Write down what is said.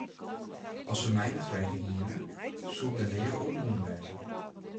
As se my net frege hiene, soe ik der nea oan begûn wêze.